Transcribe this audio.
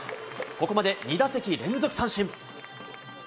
ここまで２打席連続三振。